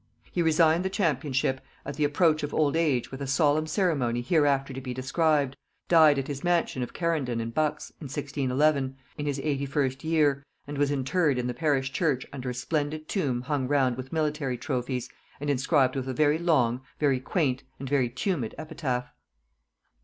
He resigned the championship at the approach of old age with a solemn ceremony hereafter to be described, died at his mansion of Quarendon in Bucks, in 1611, in his 81st year, and was interred in the parish church under a splendid tomb hung round with military trophies, and inscribed with a very long, very quaint and very tumid epitaph.